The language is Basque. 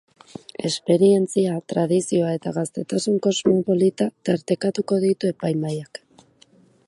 Esperientzia, tradizioa eta gaztetasun kosmopolita tartekatuko ditu epaimahaiak.